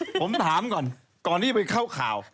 ผมถามก่อนก่อนที่จะไปเข้าข่าว